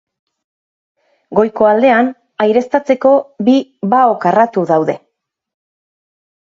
Goiko aldean aireztatzeko bi bao karratu daude.